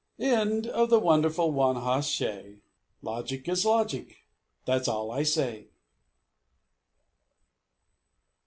End of the wonderful one hoss shay. Logic is logic. That's all I say.